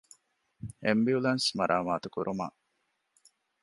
އެމްބިއުލާންސް މަރާމާތުކުރުމަށް